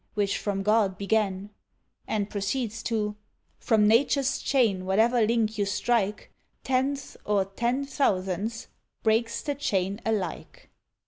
which from God began, and proceeds to From nature's chain whatever link you strike, Tenth, or ten thousandth, breaks the chain alike.